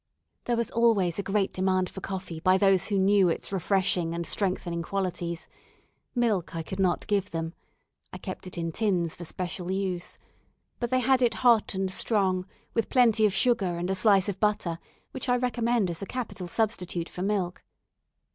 There was always a great demand for coffee by those who knew its refreshing and strengthening qualities, milk I could not give them (I kept it in tins for special use); but they had it hot and strong, with plenty of sugar and a slice of butter, which I recommend as a capital substitute for milk.